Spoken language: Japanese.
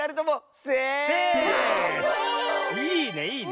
いいねいいね。